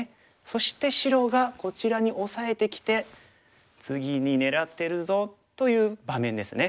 そして白がこちらに押さえてきて次に狙ってるぞという場面ですね。